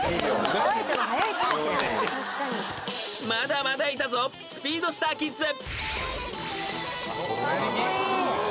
［まだまだいたぞスピードスターキッズ］